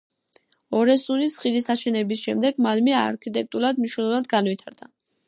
ორესუნის ხიდის აშენების შემდეგ მალმე არქიტექტურულად მნიშვნელოვნად განვითარდა.